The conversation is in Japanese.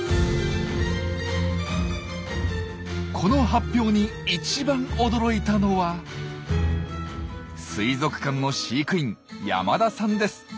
この発表に一番驚いたのは水族館の飼育員山田さんです。